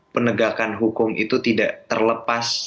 penegakan hukum itu tidak terlepas